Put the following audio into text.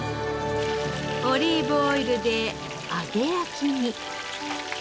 オリーブオイルで揚げ焼きに。